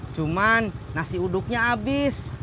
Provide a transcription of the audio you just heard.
cuman nasi uduknya abis